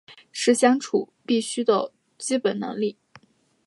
是相处必须的基本能力